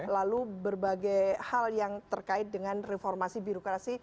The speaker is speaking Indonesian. lalu berbagai hal yang terkait dengan reformasi birokrasi